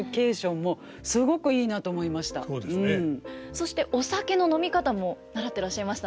そしてお酒の飲み方も習ってらっしゃいましたね。